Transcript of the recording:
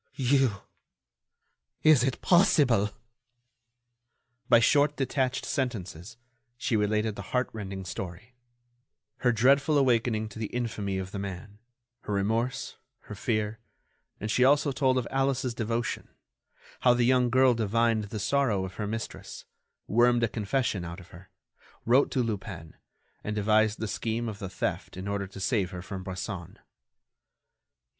You!... Is it possible?" By short detached sentences, she related the heartrending story, her dreadful awakening to the infamy of the man, her remorse, her fear, and she also told of Alice's devotion; how the young girl divined the sorrow of her mistress, wormed a confession out of her, wrote to Lupin, and devised the scheme of the theft in order to save her from Bresson.